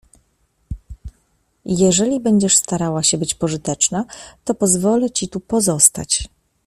Jeżeli będziesz starała się być pożyteczna, to pozwolę ci tu pozostać.